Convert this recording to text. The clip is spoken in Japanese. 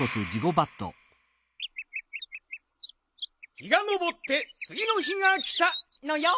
日がのぼってつぎの日がきたのよん。